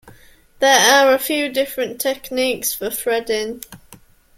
There are a few different techniques for threading.